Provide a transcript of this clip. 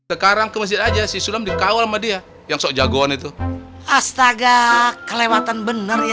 sekarang kemasjid aja sih sulam dikawal media yang sok jagoan itu astaga kelewatan bener ya